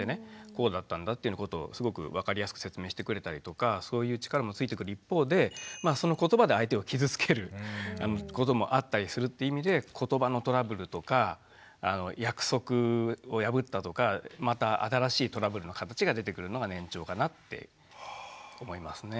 こうだったんだっていうことをすごく分かりやすく説明してくれたりとかそういう力もついてくる一方でそのことばで相手を傷つけることもあったりするって意味でことばのトラブルとか約束を破ったとかまた新しいトラブルの形が出てくるのが年長かなって思いますね。